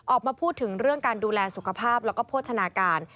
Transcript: ออกมาพูดถึงเรื่องการดูแลสุขภาพแล้วก็โภชนาการ